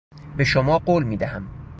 به شما قول میدهم.